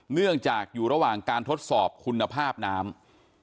เนื่องจากอยู่ระหว่างการทดสอบคุณภาพน้ำ